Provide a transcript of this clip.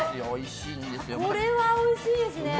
これは、おいしいですね！